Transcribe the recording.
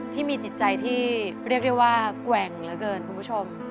ที่มีจิตใจที่เรียกได้ว่าแกว่งเหลือเกินคุณผู้ชม